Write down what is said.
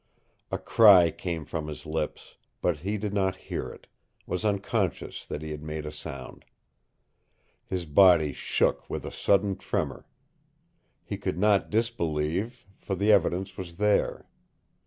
A cry came from his lips, but he did not hear it was unconscious that he had made a sound. His body shook with a sudden tremor. He could not disbelieve, for the evidence was there.